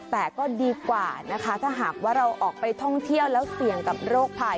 แต่ก็ดีกว่านะคะถ้าหากว่าเราออกไปท่องเที่ยวแล้วเสี่ยงกับโรคภัย